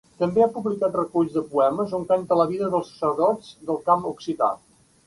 També ha publicat reculls de poemes on canta la vida dels sacerdots del camp occità.